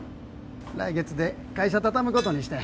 来月で会社畳むことにしたんや。